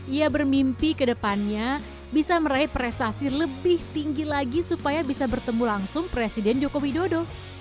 ia bermimpi kedepannya bisa meraih prestasi lebih tinggi lagi supaya bisa bertemu langsung presiden joko widodo